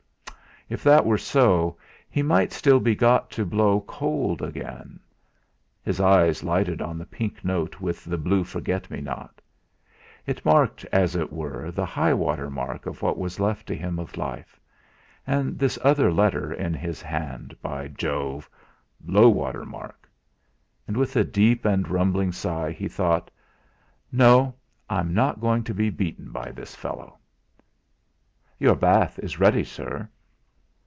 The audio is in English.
H'm! If that were so, he might still be got to blow cold again. His eyes lighted on the pink note with the blue forget me not. It marked as it were the high water mark of what was left to him of life; and this other letter in his hand by Jove! Low water mark! And with a deep and rumbling sigh he thought: 'No, I'm not going to be beaten by this fellow.' "Your bath is ready, sir."